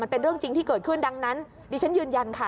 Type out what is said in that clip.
เป็นเรื่องจริงที่เกิดขึ้นดังนั้นดิฉันยืนยันค่ะ